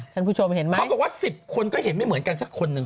ท่านผู้ชมเห็นไหมเขาบอกว่า๑๐คนก็เห็นไม่เหมือนกันสักคนหนึ่ง